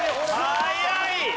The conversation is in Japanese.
早い！